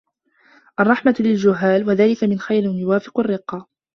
الرَّحْمَةُ لِلْجُهَّالِ وَذَلِكَ مِنْ خَيْرٍ يُوَافِقُ رِقَّةً